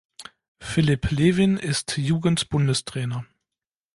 Philipp Lewin ist Jugend-Bundestrainer.